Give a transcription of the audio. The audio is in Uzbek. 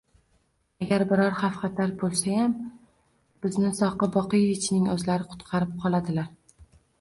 Agar biror xavf xatar bo`lsa-yam bizni Soqi Boqievichni o`zlari qutqarib qoladilar